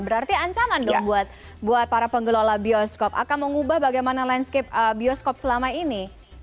berarti ancaman dong buat para pengelola bioskop akan mengubah bagaimana landscape bioskop selama ini